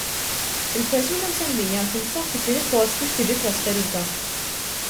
Il-persuna msemmija tinsab fit-tieni post biex tiġi trasferita.